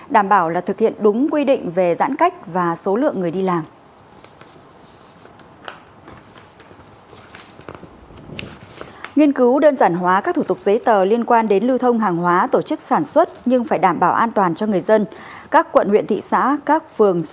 đảm bảo là thực hiện đúng quy định về giãn cách và số lượng người đi làm